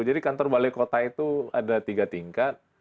jadi kantor balai kota itu ada tiga tingkat